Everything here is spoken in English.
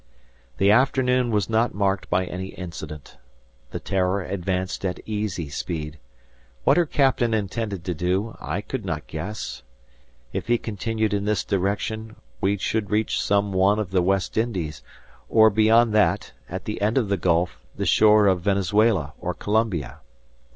The afternoon was not marked by any incident. The "Terror" advanced at easy speed. What her captain intended to do, I could not guess. If he continued in this direction, we should reach some one of the West Indies, or beyond that, at the end of the Gulf, the shore of Venezuela or Colombia.